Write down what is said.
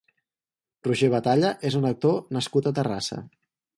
Roger Batalla és un actor nascut a Terrassa.